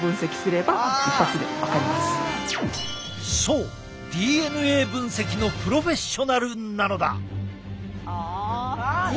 そうＤＮＡ分析のプロフェッショナルなのだ！